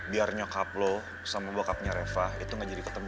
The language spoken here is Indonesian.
biar nyokap loh sama bokapnya reva itu gak jadi ketemu